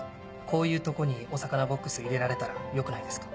こういうとこにお魚ボックス入れられたらよくないですか？